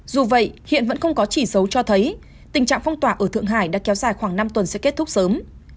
dù vậy hiện vẫn không có chỉ dấu cho thấy tình trạng phong tỏa ở thượng hải đã kéo dài khoảng năm tuần sẽ kết thúc sớm